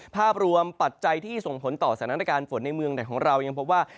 ภาพรวมปัจจัยที่ส่งผลต่อสถานการณ์ฝนในเมืองไหนของเรายังพบว่า